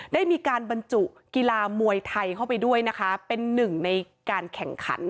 ได้มีการบรรจุกีฬามวยไทยเข้าไปด้วยนะคะเป็นหนึ่งในการแข่งขัน